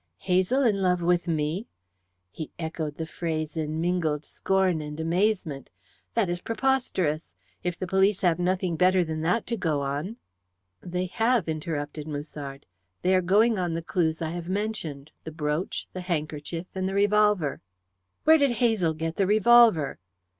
"Hazel in love with me?" He echoed the phrase in mingled scorn and amazement. "That is preposterous. If the police have nothing better than that to go on " "They have," interrupted Musard. "They are going on the clues I have mentioned the brooch, the handkerchief, and the revolver." "Where did Hazel get the revolver?"